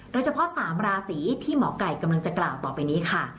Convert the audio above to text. โดยเฉพาะ๓ราศีที่หมอไก่กำลังจะกล่าวต่อไปนี้ค่ะ